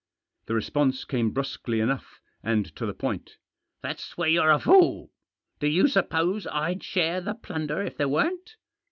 The response came brusquely enough, and to the point. "That's where you're a fool. Do you suppose I'd share the plunder if there weren't